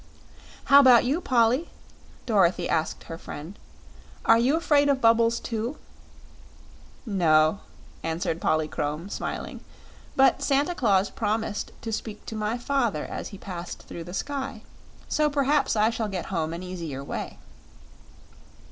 "How 'bout you, Polly?" Dorothy asked her friend. "Are you 'fraid of bubbles, too?" "No," answered Polychrome, smiling; "but Santa Claus promised to speak to my father as he passed through the sky. So perhaps I shall get home an easier way."